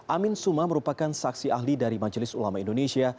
amin suma merupakan saksi ahli dari majelis ulama indonesia